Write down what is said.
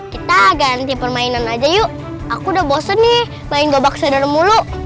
kita ganti permainan aja yuk aku udah bosen nih main gobak sederhana mulu